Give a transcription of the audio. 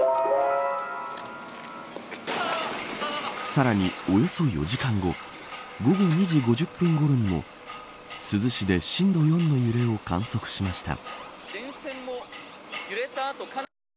さらにおよそ４時間後午後２時５０分ごろにも珠洲市で震度４の揺れを観測しました。